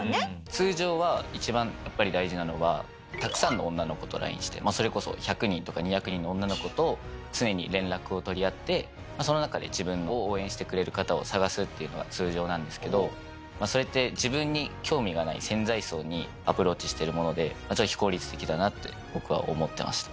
通常は一番やっぱり大事なのはたくさんの女の子とＬＩＮＥしてそれこそ１００人とか２００人の女の子と常に連絡を取り合ってその中で自分を応援してくれる方を探すっていうのが通常なんですけどそれって自分に興味がない潜在層にアプローチしてるものでちょっと非効率的だなって僕は思ってました。